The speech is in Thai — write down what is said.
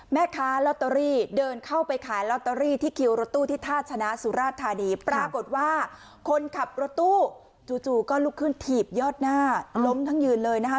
แม่ค้าลอตเตอรี่เดินเข้าไปขายลอตเตอรี่ที่คิวรถตู้ที่ท่าชนะสุราชธานีปรากฏว่าคนขับรถตู้จู่ก็ลุกขึ้นถีบยอดหน้าล้มทั้งยืนเลยนะคะ